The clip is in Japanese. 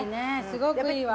すごくいいわ。